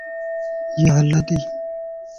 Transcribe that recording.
اِيا هلّا تي